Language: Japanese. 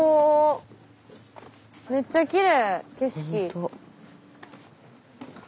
めっちゃきれい景色。